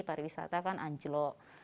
pariwisata kan anjlok